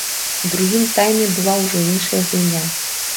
У другім тайме была ўжо іншая гульня.